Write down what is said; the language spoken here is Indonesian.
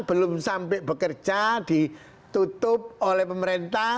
belum sampai bekerja ditutup oleh pemerintah